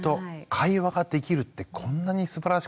会話ができるってこんなにすばらしかったんだってね。